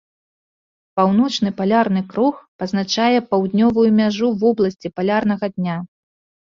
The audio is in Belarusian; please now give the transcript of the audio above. Паўночны палярны круг пазначае паўднёвую мяжу вобласці палярнага дня.